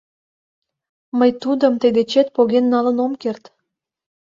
Мый тудым тый дечет поген налын ом керт.